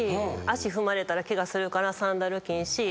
足踏まれたらケガするからサンダル禁止。